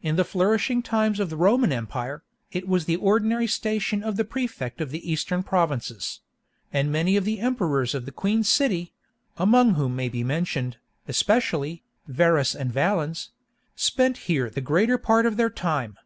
In the flourishing times of the Roman Empire, it was the ordinary station of the prefect of the eastern provinces; and many of the emperors of the queen city (among whom may be mentioned, especially, Verus and Valens) spent here the greater part of their time.